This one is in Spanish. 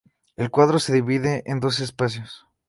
El cuadro se divide en dos espacios.